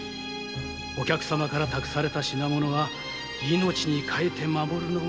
お客様から託された品物は命に代えても守るのが飛脚なのだ